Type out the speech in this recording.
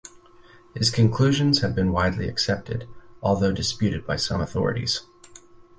His conclusions have been widely accepted, although disputed by some authorities.